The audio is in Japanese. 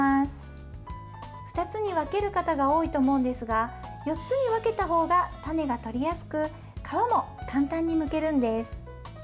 ２つに分ける方が多いと思うんですが４つに分けた方が種が取りやすく皮も簡単にむけるんです。